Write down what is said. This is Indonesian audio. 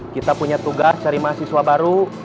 kita punya tugas cari mahasiswa baru